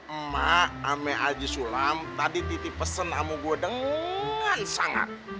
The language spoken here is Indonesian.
emak ama haji sulam tadi titip pesen namu gua dengan sangat